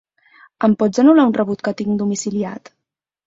Em pots anul·lar un rebut que tinc domiciliat?